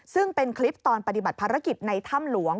ซึ่งเป็นคลิปตอนปฏิบัติภารกิจในถ้ำหลวง